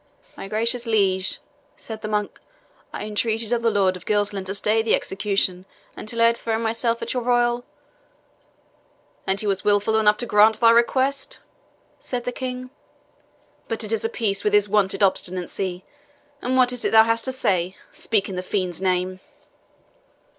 "My gracious liege," said the monk, "I entreated of the Lord of Gilsland to stay the execution until I had thrown myself at your royal " "And he was wilful enough to grant thy request," said the King; "but it is of a piece with his wonted obstinacy. And what is it thou hast to say? Speak, in the fiend's name!"